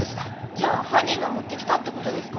じゃあ犯人が持ってきたって事ですか？